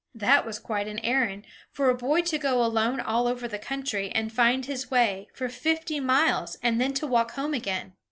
That was quite an errand, for a boy to go alone over the country, and find his way, for fifty miles, and then walk home again.